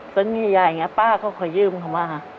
ซนใหญ่เนี่ยป้าก็จะเคยืมมา